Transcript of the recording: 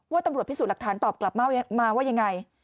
ตำรวจพิสูจน์หลักฐานตอบกลับมาว่ายังไง